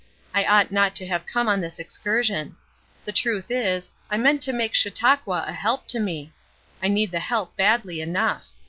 I ought not to have come on this excursion. The truth is, I meant to make Chautauqua a help to me. I need the help badly enough.